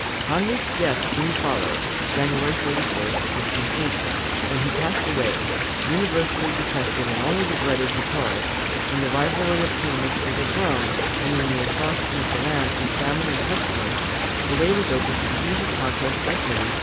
^ Henrique's death soon followed, January 31, 1580, when he passed away, universally detested and only regretted because, in the rivalry of claimants to the throne, and in the exhaustion of the land through famine and pestilence, the way was open to the easy conquest by Philip II.